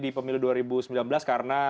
di pemilu dua ribu sembilan belas karena